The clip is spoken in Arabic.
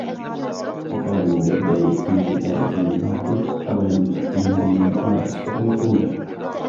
وَقَالُوا لَوْلَا يَأْتِينَا بِآيَةٍ مِنْ رَبِّهِ أَوَلَمْ تَأْتِهِمْ بَيِّنَةُ مَا فِي الصُّحُفِ الْأُولَى